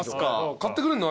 買ってくれんの？